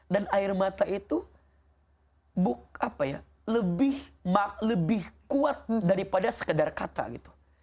air mata itu lebih kuat daripada sekedar kata gitu